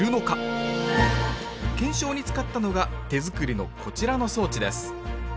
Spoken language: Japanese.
検証に使ったのが手作りのこちらの装置です。